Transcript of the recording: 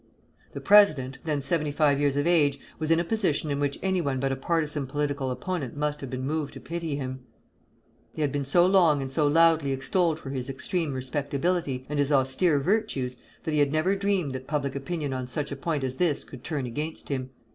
The president, then seventy five years of age, was in a position in which anyone but a partisan political opponent must have been moved to pity him. He had been so long and so loudly extolled for his extreme respectability and his austere virtues that he had never dreamed that public opinion on such a point as this could turn against him.